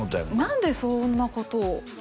何でそんなことを？